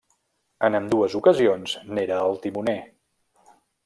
En ambdues ocasions n'era el timoner.